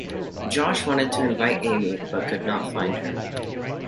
Josh wanted to invite Amy, but could not find her.